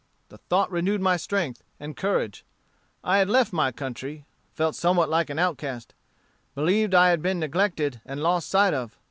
The thought renewed my strength and courage. I had left my country, felt somewhat like an outcast, believed that I had been neglected and lost sight of.